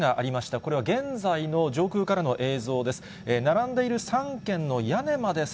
これは現在の上空からの映像です。